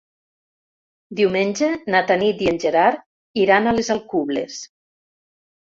Diumenge na Tanit i en Gerard iran a les Alcubles.